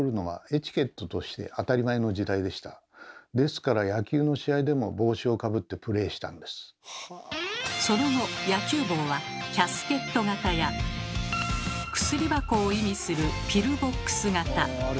ですからその後野球帽は「キャスケット型」や薬箱を意味する「ピルボックス型」